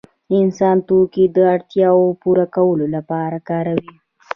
انسان توکي د اړتیاوو پوره کولو لپاره کاروي.